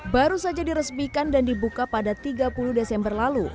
baru saja diresmikan dan dibuka pada tiga puluh desember lalu